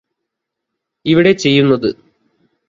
ഇവിടെ ചെയ്യുന്നത്